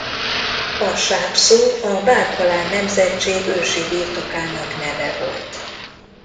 A Sáp szó a Bár-Kalán nemzetség ősi birtokának neve volt.